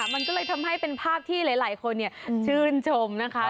มันก็เลยทำให้เป็นภาพที่หลายคนชื่นชมนะคะ